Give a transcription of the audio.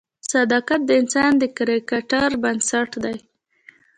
صداقت د انسان د کرکټر بنسټ دی.